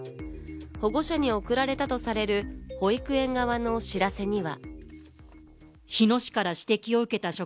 保護者に送られたとされる保育園側の知らせには。